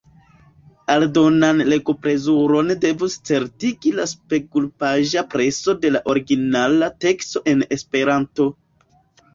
Aldonan legoplezuron devus certigi la spegulpaĝa preso de la originala teksto en Esperanto.